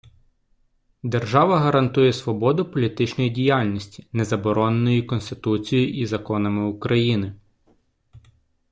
Держава гарантує свободу політичної діяльності, не забороненої Конституцією і законами України.